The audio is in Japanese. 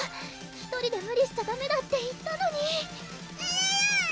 １人で無理しちゃダメだって言ったのにえるるぅ